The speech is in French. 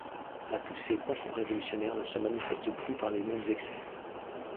La poussée contre révolutionnaire ne se manifeste plus par les mêmes excès.